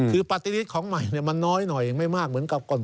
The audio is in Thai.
คือปฏิลิตของใหม่มันน้อยหน่อยไม่มากเหมือนกับก่อน